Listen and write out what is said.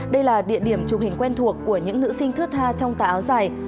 đây là địa điểm chụp hình quen thuộc của những nữ sinh thước tha trong tà áo dài